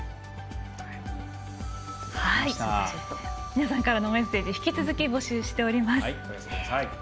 皆さんからのメッセージ引き続き募集しております。